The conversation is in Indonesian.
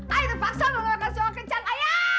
ayah terpaksa mengeluarkan suara kencang ayah